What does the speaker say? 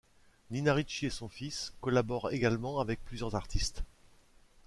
Nina Ricci et son fils collaborent également avec plusieurs artistes.